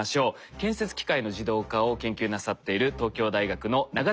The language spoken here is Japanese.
建設機械の自動化を研究なさっている東京大学の永谷圭司さんです。